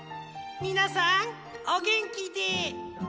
みなさんおげんきで！